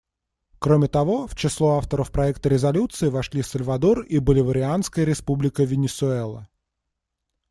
Кроме того, в число авторов проекта резолюции вошли Сальвадор и Боливарианская Республика Венесуэла.